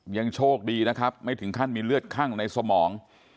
ยังโชคดีนะครับไม่ถึงขั้นมีเลือดคั่งในสมอง